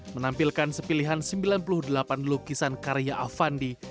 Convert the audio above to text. menampilkan sepilihan sembilan puluh delapan lukisan karya afandi